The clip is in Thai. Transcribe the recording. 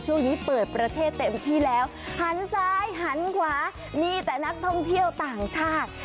ช่วงนี้เปิดประเทศเต็มที่แล้วหันซ้ายหันขวามีแต่นักท่องเที่ยวต่างชาติ